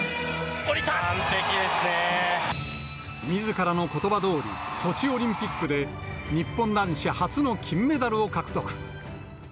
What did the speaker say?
みずからのことばどおり、ソチオリンピックで日本男子初の金メダルを獲得。